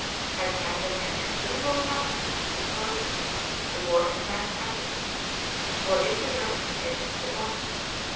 As Shandon had considerable funds at his disposal, the work advanced rapidly, according to the recommendation of the owner.